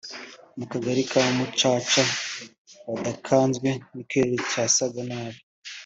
mu kagari ka Mucaca badakanzwe n’ikirere cyasaga nabi